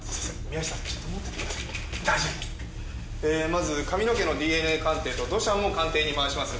まず髪の毛のＤＮＡ鑑定と土砂も鑑定に回します。